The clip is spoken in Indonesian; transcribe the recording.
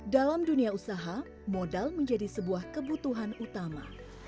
dalam dunia usaha modal menjadi sebuah kebutuhan utama